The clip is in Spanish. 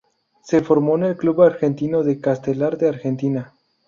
Se formó en el Club Argentino de Castelar de Argentina.